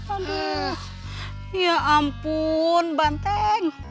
aduh ya ampun banteng